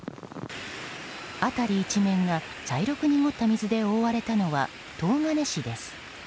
辺り一面が茶色く濁った水で覆われたのは東金市です。